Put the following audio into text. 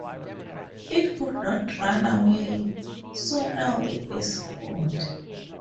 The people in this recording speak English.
It could not run away, so now it is food.